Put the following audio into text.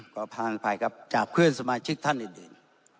ก็พังไปครับจากเพื่อนสมาชิกท่านอื่น